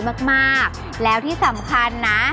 เพราะว่าผักหวานจะสามารถทำออกมาเป็นเมนูอะไรได้บ้าง